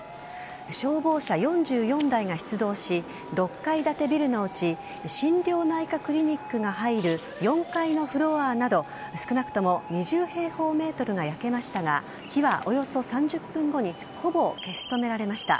消防車４４台が出動し６階建てビルのうち心療内科クリニックが入る４階のフロアなど少なくとも２０平方ｍが焼けましたが火はおよそ３０分後にほぼ消し止められました。